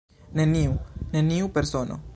Neniu = neniu persono.